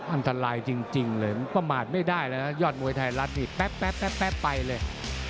อันตรายจริงเลยมันประมาทไม่ได้แล้วนะยอดมวยไทยรัฐนี่แป๊บไปเลย